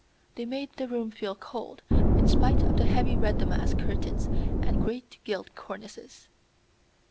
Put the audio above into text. They made the room feel cold, in spite of the heavy red damask curtains and great gilt cornices.